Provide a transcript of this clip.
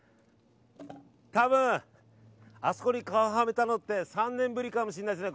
多分、あそこに顔はめたのって３年ぶりかもしれないですね。